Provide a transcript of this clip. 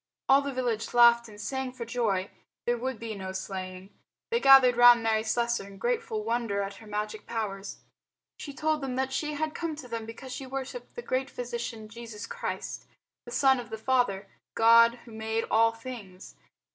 All the village laughed and sang for joy. There would be no slaying. They gathered round Mary Slessor in grateful wonder at her magic powers. She told them that she had come to them because she worshipped the Great Physician Jesus Christ, the Son of the Father God who made all things.